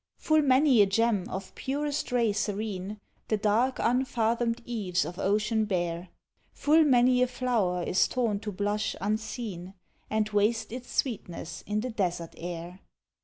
Full many a gem of purest ray serene The dark unfathom'd eaves of ocean bear: Full many a flower is torn to blush unseen, And waste its sweetness in the desert air.